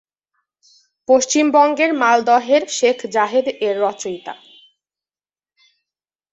পশ্চিমবঙ্গের মালদহের শেখ জাহেদ এর রচয়িতা।